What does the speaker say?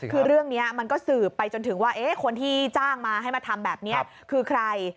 คือเรื่องนี้มันก็สืบไปจนถึงว่าคนที่จ้างมาให้มาทำแบบนี้คือใคร